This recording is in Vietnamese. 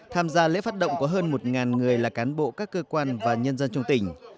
tham gia lễ phát động có hơn một người là cán bộ các cơ quan và nhân dân trong tỉnh